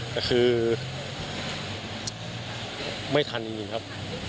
แต่คือไม่ทันจริงครับ